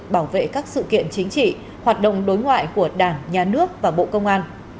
bảo vệ các sự kiện chính trị hoạt động đối ngoại của đảng nhà nước và bộ công an